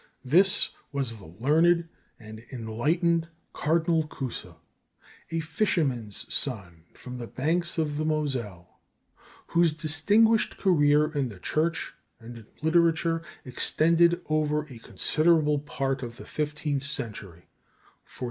This was the learned and enlightened Cardinal Cusa, a fisherman's son from the banks of the Moselle, whose distinguished career in the Church and in literature extended over a considerable part of the fifteenth century (1401 64).